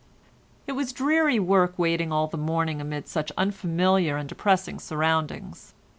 It was dreary work waiting all the morning amid such unfamiliar and depressing surroundings.